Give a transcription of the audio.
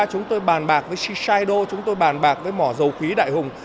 chúng tôi bàn bạc với shido chúng tôi bàn bạc với mỏ dầu khí đại hùng